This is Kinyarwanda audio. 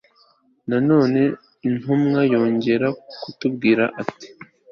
Na none intumwa yongera kutubwira iti